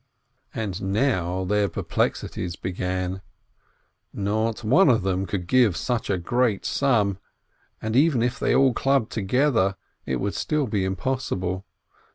And now their perplexities began ! Not one of them could give such a great sum, and even if they all clubbed together, it would still be impossible.